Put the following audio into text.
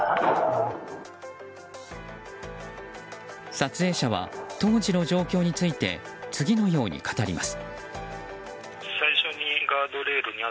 撮影者は当時の状況について次のように語ります。